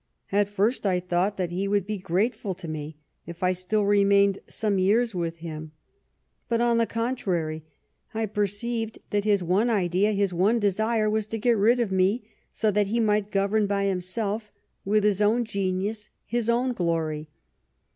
At first I thought that he would be grateful to me if I still remained some years with him ; but, on the contrary, I perceived that his one idea, his one desire, was to get rid of me so that he might govern by himself — with his own genius, his own glory.